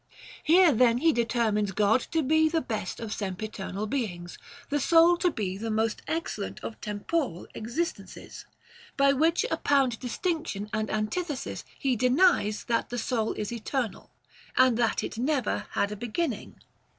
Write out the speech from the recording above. * Here then he determines God to be the best of sempiternal beings, the soul to be the most excel lent of temporal existences. By which apparent distinction and antithesis he denies that the soul is eternal, and that it never had a beginning.